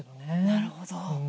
なるほど。